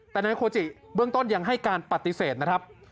แต่นายโคจิเบื้องต้นยังให้การปฏิเสธนะครับ